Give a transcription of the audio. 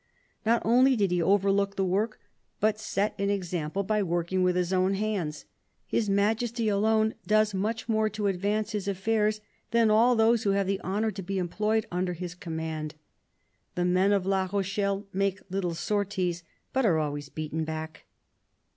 Not only did he overlook the work, but set an example by working with his own hands. His Majesty alone does much more to advance his affairs than all those who have the honour to be employed under his command. The men of La Rochelle make little sorties, but are always beaten back."